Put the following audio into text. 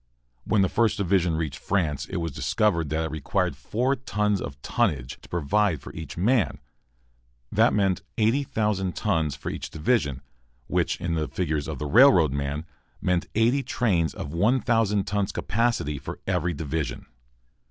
When the First Division reached France it was discovered that it required four tons of tonnage to provide for each man. That meant 80,000 tons for each division, which, in the figures of the railroad man, meant eighty trains of 1,000 tons capacity for every division.